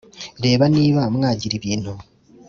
Reba niba mwagira ibintu